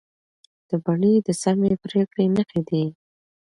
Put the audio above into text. دا بڼې د سمې پرېکړې نښې دي.